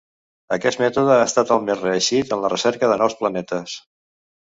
Aquest mètode ha estat el més reeixit en la recerca de nous planetes.